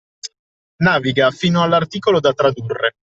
Naviga fino all’articolo da tradurre.